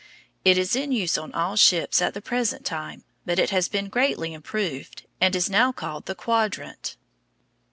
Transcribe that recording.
It is in use on all the ships at the present time, but it has been greatly improved, and is now called the quadrant.